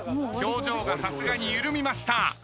表情がさすがに緩みました。